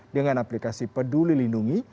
dengan aplikasi peduli lindungi